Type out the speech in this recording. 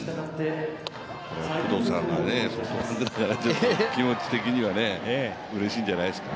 工藤さんが気持ち的にはうれしいんじゃないですか。